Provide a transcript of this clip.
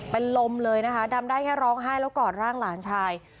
เป็นลมเลยนะคะดำได้แค่ร้องไห้แล้วกอดร่างหลานชาย